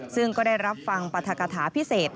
ซึ่งก็ได้รับฟังปรัฐกฐาพิเศษ